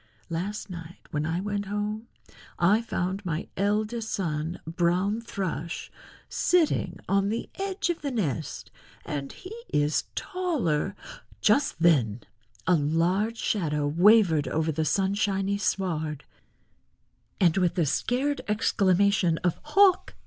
Last night when I went home I found my eldest son, Brown Thrush, sitting on the edge of the nest, and he is taller——" Just then a large shadow wavered over the sunshiny sward, and with a scared exclamation of "Hawk!"